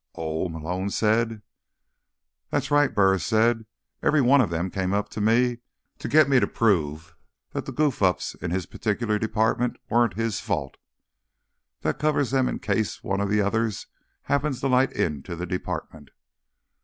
"Oh," Malone said. "That's right," Burris said. "Every one of them came to me to get me to prove that the goof ups in his particular department weren't his fault. That covers them in case one of the others happens to light into the department."